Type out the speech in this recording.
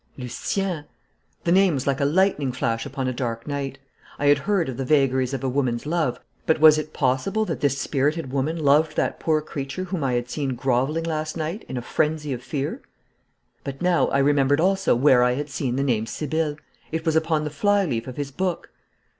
'Lucien! 'The name was like a lightning flash upon a dark night. I had heard of the vagaries of a woman's love, but was it possible that this spirited woman loved that poor creature whom I had seen grovelling last night in a frenzy of fear? But now I remembered also where I had seen the name Sibylle. It was upon the fly leaf of his book.